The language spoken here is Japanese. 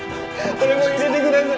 俺も入れてください！